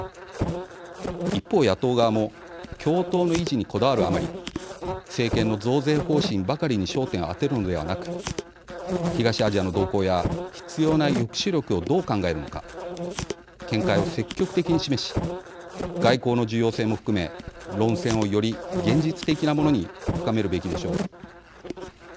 一方、野党側も共闘の維持にこだわるあまり政権の増税方針ばかりに焦点を当てるのではなく東アジアの動向や必要な抑止力をどう考えるのか見解を積極的に示し外交の重要性も含め論戦をより現実的なものに深めるべきでしょう。